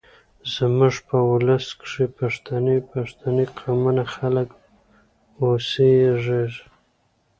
زموږ په ولس کې پښتۍ پښتۍ قومونه خلک اوسېږيږ